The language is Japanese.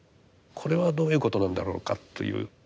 これはどういうことなんだろうかという。